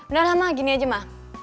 udah lah ma gini aja ma